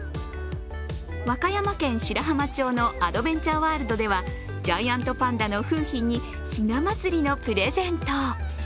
和歌山県白浜町のアドベンチャーワールドではジャイアントパンダの楓浜にひな祭りのプレゼント。